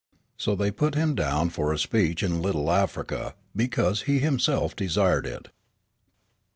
So they put him down for a speech in Little Africa, because he himself desired it.